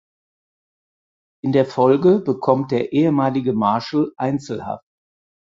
In der Folge bekommt der ehemalige Marshal Einzelhaft.